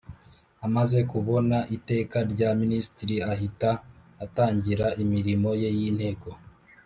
Amaze kubona Iteka rya Minisitiri ahita atangira imirimo ye y’inteko